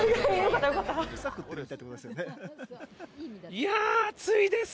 いやー、暑いです。